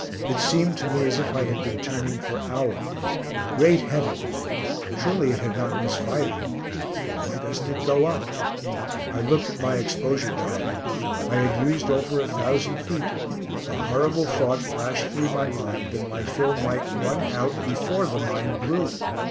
It seemed to me as if I had been turning for hours. Great heavens! Surely it had not misfired. Why doesn't it go up? I looked at my exposure dial. I had used over a thousand feet. The horrible thought flashed through my mind, that my film might run out before the mine blew.